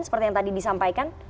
seperti yang tadi disampaikan